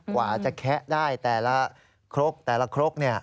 กว่าจะแคะได้แต่ละครกเนี่ย